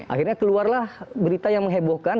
akhirnya keluarlah berita yang menghebohkan